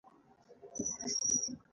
د هغه وخت مورخ خافي خان په دې اړه لیکلي دي.